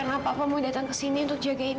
karena papa mau datang kesini untuk jagain kamu